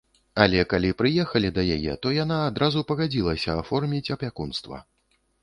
Але калі прыехалі да яе, то яна адразу пагадзілася аформіць апякунства.